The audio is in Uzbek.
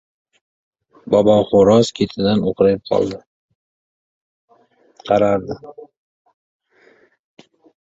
Babaq xo‘roz ketidan o‘qrayib qaradi.